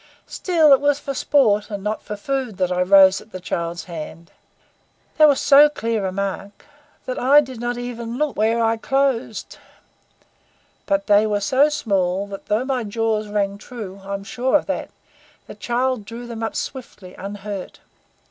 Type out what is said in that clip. Still, it was for sport and not for food that I rose at the child's hands. They were so clear a mark that I did not even look when I closed; but they were so small that though my jaws rang true I am sure of that the child drew them up swiftly, unhurt.